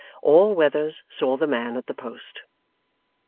All weathers saw the man at the post.